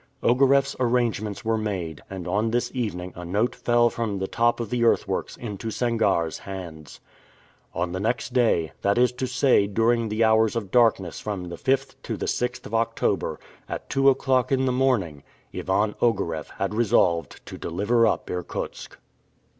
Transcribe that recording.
Ogareff's arrangements were made, and on this evening a note fell from the top of the earthworks into Sangarre's hands. On the next day, that is to say during the hours of darkness from the 5th to the 6th of October, at two o'clock in the morning, Ivan Ogareff had resolved to deliver up Irkutsk.